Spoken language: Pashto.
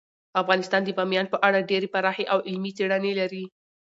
افغانستان د بامیان په اړه ډیرې پراخې او علمي څېړنې لري.